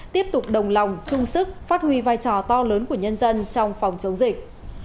tiếp tục đồng lòng chung sức phát huy vai trò to lớn của nhân dân trong phòng chống dịch